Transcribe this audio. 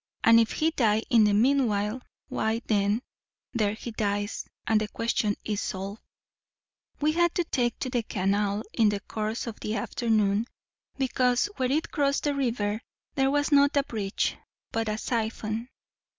And if he die in the meanwhile, why then, there he dies, and the question is solved. We had to take to the canal in the course of the afternoon; because, where it crossed the river, there was, not a bridge, but a siphon.